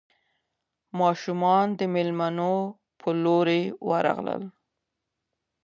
ماشومان د مېلمنو په لور ورغلل.